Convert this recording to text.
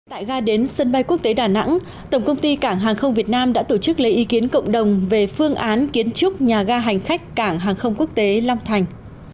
tại ga đến sân bay quốc tế đà nẵng tổng công ty cảng hàng không việt nam đã tổ chức lấy ý kiến cộng đồng về phương án kiến trúc nhà ga hành khách cảng hàng không quốc tế long thành